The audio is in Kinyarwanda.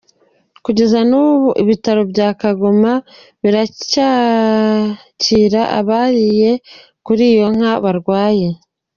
Kugeza n’ubu ibitaro bya Gakoma biracyakira abariye kuri iyi nka barwaye.